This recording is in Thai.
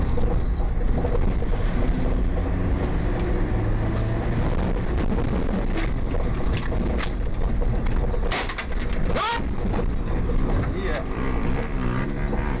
ปล่อยเต้น